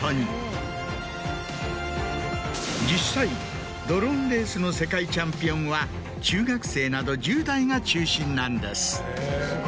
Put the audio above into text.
実際ドローンレースの世界チャンピオンは中学生など１０代が中心なんです。